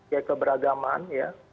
ya keberagaman ya